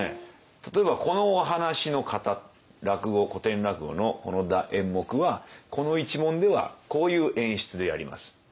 例えばこのお話の型落語古典落語のこの演目はこの一門ではこういう演出でやります。